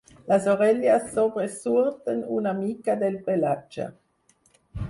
Les orelles sobresurten una mica del pelatge.